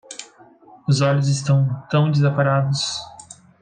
Os olhos estão tão desamparados